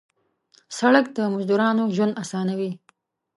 سړک د مزدورانو ژوند اسانوي.